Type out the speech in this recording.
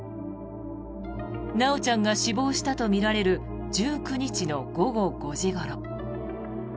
修ちゃんが死亡したとみられる１９日の午後５時ごろ。